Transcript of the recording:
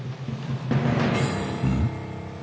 うん？